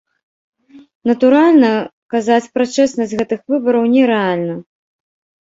Натуральна, казаць пра чэснасць гэтых выбараў нерэальна.